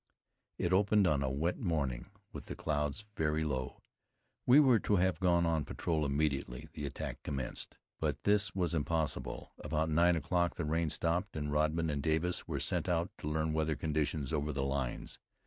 It opened on a wet morning with the clouds very low. We were to have gone on patrol immediately the attack commenced, but this was impossible. About nine o'clock the rain stopped, and Rodman and Davis were sent out to learn weather conditions over the lines.